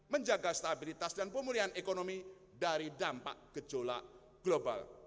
menjaga stabilitas dan pemulihan ekonomi dari dampak gejolak global